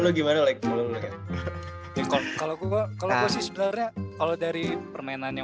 lu gimana like kalau gue kalau gue sih sebenarnya kalau dari permainannya